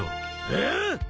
ああ！？